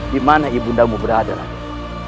di mana ibu ndang berada raden